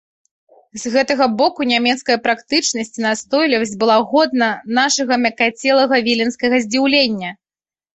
З гэтага боку нямецкая практычнасць і настойлівасць была годна нашага мяккацелага віленскага здзіўлення.